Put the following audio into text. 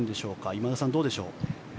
今田さん、どうでしょう。